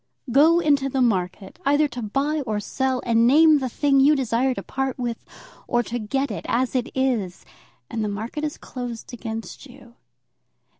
Go into the market, either to buy or sell, and name the thing you desire to part with or to get, as it is, and the market is closed against you.